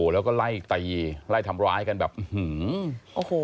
แล้วก็ไล่ตีทำร้ายกันบ้าง